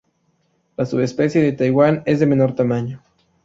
La subespecie de Taiwán es de menor tamaño.